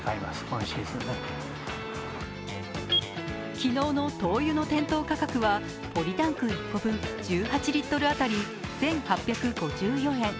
昨日の灯油の店頭価格はポリタンク１個分、１８リットル辺り１８５４円。